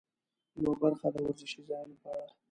یوه برخه د ورزشي ځایونو په اړه.